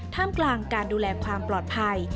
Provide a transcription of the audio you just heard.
กลางการดูแลความปลอดภัย